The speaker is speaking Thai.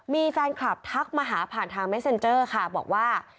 มีแฟนคลับทักมาหาผ่านทางเมสเซ็นเจอร์ค่ะบอกว่า